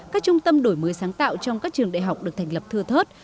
các trung tâm đổi mới sáng tạo trong các trường đại học được thành lập thưa thớt